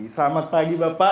selamat pagi bapak